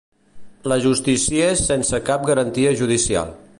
L'ajusticiés sense cap garantia judicial.